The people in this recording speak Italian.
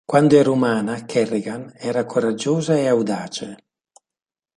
Quando era umana, Kerrigan era coraggiosa e audace.